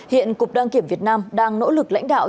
hiện cục đăng kiểm việt nam đang nỗ lực lãnh đạo